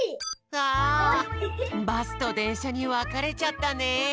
あバスとでんしゃにわかれちゃったね。